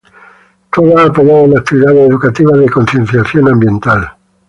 Todas apoyadas en actividades educativas de concienciación ambiental.